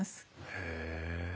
へえ。